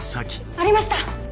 ありました！